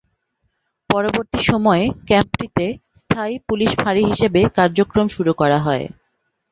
পরবর্তী সময়ে ক্যাম্পটিতে স্থায়ী পুলিশ ফাঁড়ি হিসেবে কার্যক্রম শুরু করা হয়।